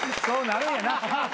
そうなるんやな。